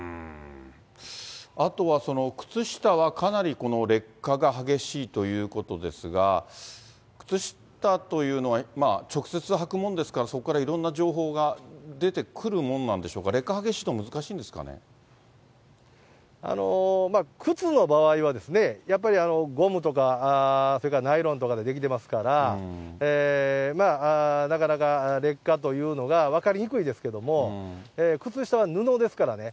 あとは、靴下はかなり劣化が激しいということですが、靴下というのは、直接履くもんですから、そこからいろんな情報が出てくるもんなんでしょうか、靴の場合は、やっぱりゴムとかそれからナイロンとかで出来てますから、なかなか劣化というのが分かりにくいですけれども、靴下は布ですからね、